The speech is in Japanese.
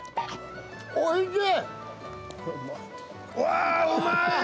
おいしい。